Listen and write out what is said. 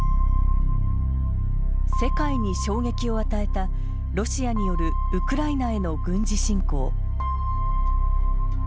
世界に衝撃を与えたロシアによるウクライナへの軍事侵攻。